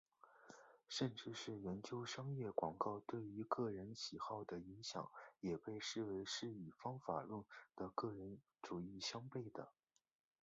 甚至是研究商业广告对于个人喜好的影响也被视为是与方法论的个人主义相背的。